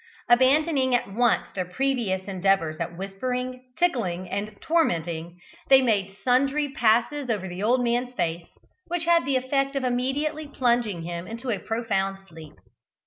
Abandoning at once their previous endeavours at whispering, tickling, and tormenting, they made sundry passes over the old man's face, which had the effect of immediately plunging him into a profound sleep.